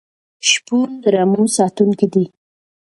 شپون د رمو ساتونکی دی.